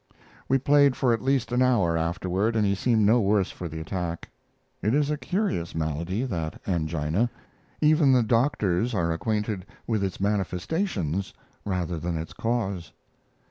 We played for at least an hour afterward, and he seemed no worse for the attack. It is a curious malady that angina; even the doctors are acquainted with its manifestations, rather than its cause.